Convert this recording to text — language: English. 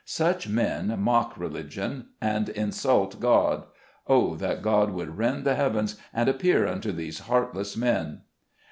Such men mock religion and insult God. Oh, that God would rend the heav ens and appear unto these heartless men